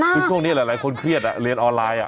คือช่วงนี้หลายคนเครียดเรียนออนไลน์